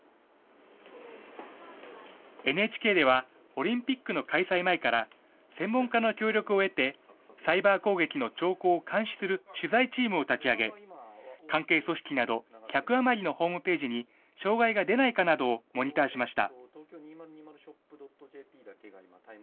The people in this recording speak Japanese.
ＮＨＫでは、オリンピックの開催前から専門家の協力を得て、サイバー攻撃の兆候を監視する取材チームを立ち上げ、関係組織など１００余りのホームページに障害が出ないかなどをモニターしました。